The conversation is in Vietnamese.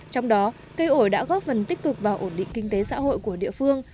trong đó cây ổi đã góp phần tích cực vào ổn định kinh tế xã hội của địa phương